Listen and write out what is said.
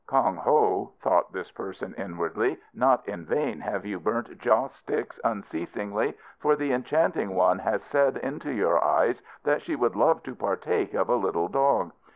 "Kong Ho," thought this person inwardly, "not in vain have you burnt joss sticks unceasingly, for the enchanting one has said into your eyes that she would love to partake of a little dog.